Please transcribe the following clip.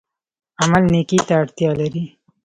عمل نیکۍ ته اړتیا لري